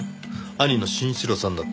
兄の真一郎さんだって。